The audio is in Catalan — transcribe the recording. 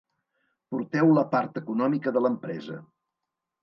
Porteu la part econòmica de l’empresa.